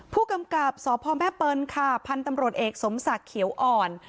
ผู้กำกับสพแม่เปิลค่ะพันธุ์ตำรวจเอกสมศักดิ์เขียวอ่อน